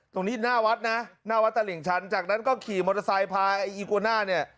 ตรงนี้หน้าวัดนะหน้าวัดตลิ่งชันจากนั้นก็ขี่มอเตอร์ไซค์พาไอ้อีโกน่าเนี่ย